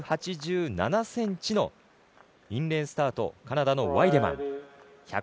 １８７ｃｍのインレーンスタートカナダのワイデマン。